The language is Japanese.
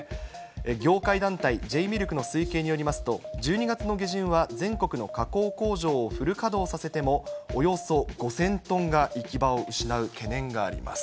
業界団体、Ｊミルクの推計によりますと、１２月の下旬は全国の加工工場をフル稼働させてもおよそ５０００トンが行き場を失う懸念があります。